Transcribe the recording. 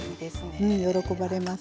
喜ばれます。